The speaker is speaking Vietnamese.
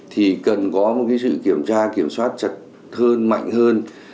thì cần có một sự kiểm tra kiểm soát chặt hơn mạnh hơn